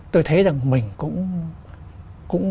tôi thấy rằng mình cũng